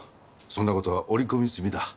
そんな事は織り込み済みだ。